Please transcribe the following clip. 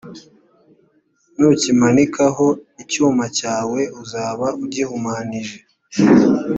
nukimanikaho icyuma cyawe uzaba ugihumanije